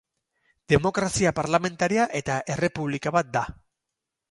Demokrazia Parlamentaria eta Errepublika bat da.